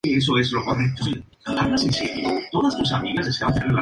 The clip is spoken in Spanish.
De este trabajo se extrajo el exitoso sencillo "Yeh Yeh".